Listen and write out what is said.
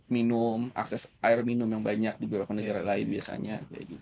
minum akses air minum yang banyak di beberapa negara lain biasanya